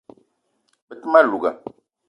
Be te ma louga